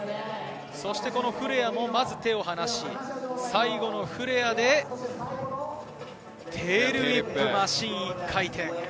そしてフレアも手を離し、最後のフレアでテールウィップ、マシンを１回転。